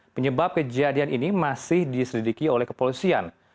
penyebab kejadian ini masih diselidiki oleh kepolisian